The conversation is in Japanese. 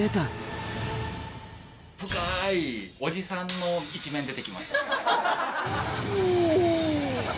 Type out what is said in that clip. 深いおじさんの一面が出てきおぉ。